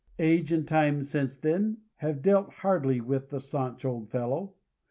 Age and time, since then, have dealt hardly with the stanch old fellow.